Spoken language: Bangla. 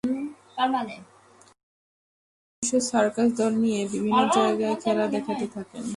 তিনি নিজস্ব সার্কাস দল নিয়ে বিভিন্ন জায়্গায় খেলা দেখাতে থাকেন।